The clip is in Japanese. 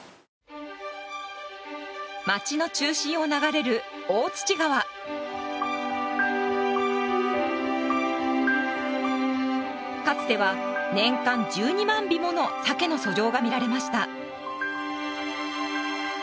町の中心を流れるかつては年間１２万尾ものサケの遡上が見られました。